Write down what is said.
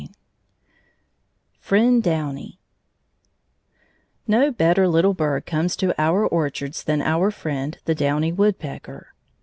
VI FRIEND DOWNY No better little bird comes to our orchards than our friend the downy woodpecker.